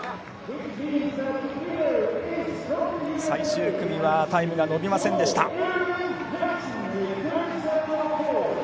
最終組はタイムが伸びませんでした。